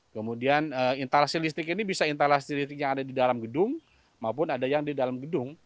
kemudian instalasi listrik ini bisa instalasi listrik yang ada di dalam gedung maupun ada yang di dalam gedung